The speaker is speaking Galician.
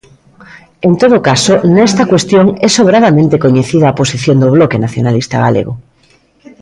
En todo caso, nesta cuestión é sobradamente coñecida a posición do Bloque Nacionalista Galego.